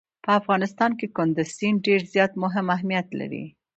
په افغانستان کې کندز سیند ډېر زیات اهمیت لري.